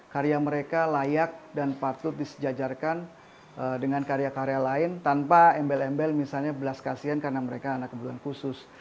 karya mereka layak dan patut disejajarkan dengan karya karya lain tanpa embel embel misalnya belas kasihan karena mereka anak kebutuhan khusus